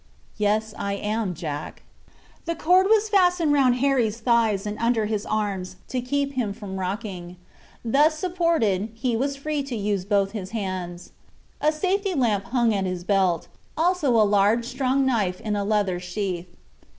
"Yes, I am, Jack." The cord was fastened round Harry's thighs and under his arms, to keep him from rocking. Thus supported, he was free to use both his hands. A safety lamp hung at his belt, also a large, strong knife in a leather sheath.